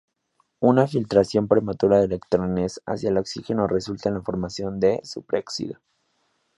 Una filtración prematura de electrones hacia el oxígeno resulta en la formación de superóxido.